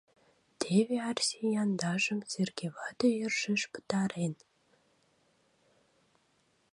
Теве Арсий яндажым Серге вате йӧршеш пытарен.